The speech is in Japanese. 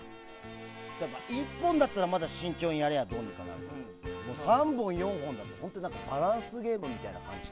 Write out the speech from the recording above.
１本だったら、まだ慎重にやればどうにかなるけど３本、４本になるとバランスゲームみたいな感じ。